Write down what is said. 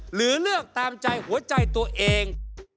หรือเลือกตามใจหัวใจตัวเอง